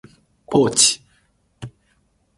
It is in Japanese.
ポーチ、